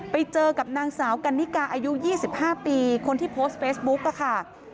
ไปเจอกับนางสาวกันนิกาอายุ๒๕ปีคนที่โพสต์เฟซบุ๊กค่ะ